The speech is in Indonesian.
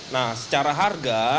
nah secara harga